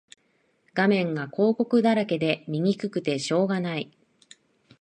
画面が広告だらけで見にくくてしょうがない